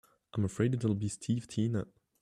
I'm afraid it'll be Steve Tina.